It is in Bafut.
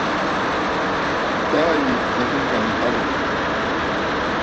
Taà yì à nɨ̂ ŋ̀gàŋkabə̂.